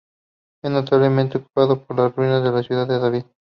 Esta notablemente ocupado por las ruinas de la ciudad de David.